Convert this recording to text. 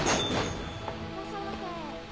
いらっしゃいませ。